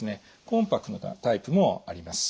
コンパクトなタイプもあります。